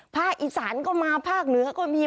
ภาคอีสานก็มาภาคเหนือก็มี